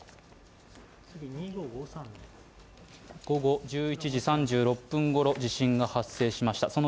午後１１時３６分ごろ、地震が発生しました。